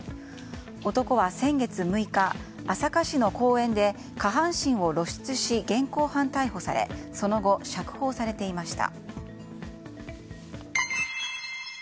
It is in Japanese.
男は先月６日、朝霞市の公園で下半身を露出し、現行犯逮捕されその後、釈放されていました。